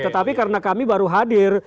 tetapi karena kami baru hadir